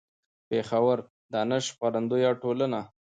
. پېښور: دانش خپرندويه ټولنه